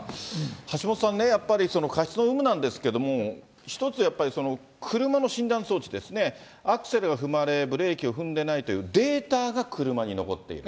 橋下さんね、やっぱり、その過失の有無なんですけれども、一つ、やっぱりその、車の診断装置ですね、アクセルが踏まれ、ブレーキを踏んでないというデータが車に残っている。